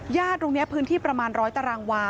ตรงนี้พื้นที่ประมาณ๑๐๐ตารางวา